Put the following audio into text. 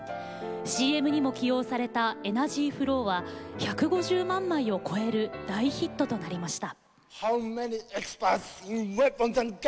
ＣＭにも起用された「ｅｎｅｒｇｙｆｌｏｗ」は１５０万枚を超える大ヒットとなりました。